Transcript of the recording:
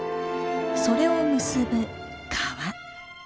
それを結ぶ川。